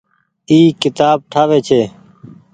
اي ڪيتآب ٺآوي ڇي۔